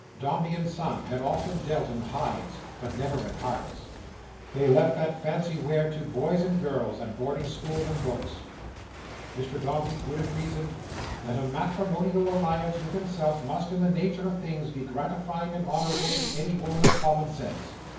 Dombey and Son had often dealt in hides, but never in hearts. They left that fancy ware to boys and girls, and boarding schools and books. Mr Dombey would have reasoned: That a matrimonial alliance with himself must, in the nature of things, be gratifying and honourable to any woman of common sense.